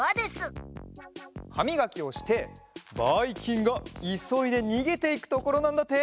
はみがきをしてばいきんがいそいでにげていくところなんだって！